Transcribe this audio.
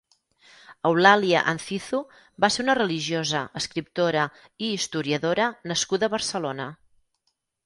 Eulàlia Anzizu va ser una religiosa, escriptora i historiadora nascuda a Barcelona.